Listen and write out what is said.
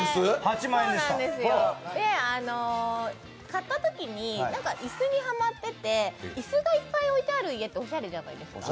買ったときに、椅子にハマってて椅子がいっぱい置いてある家っておしゃれじゃないですか。